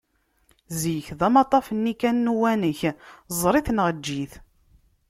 Zik d amaṭṭaf-nni kan n Uwanak, ẓer-it, neɣ eǧǧ-it!